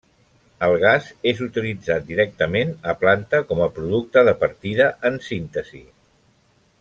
El gas és utilitzat directament a planta com a producte de partida en síntesi.